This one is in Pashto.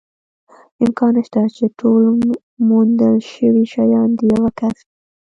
امکان نشته، چې ټول موندل شوي شیان د یوه کس وي.